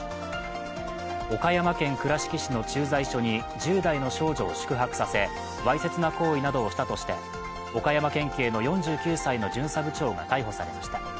岡山県倉敷市の駐在所に１０代の少女を宿泊させわいせつな行為などをしたとして岡山県警の４９歳の巡査部長が逮捕されました。